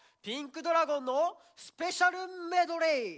ピンクドラゴンのスペシャルメドレー！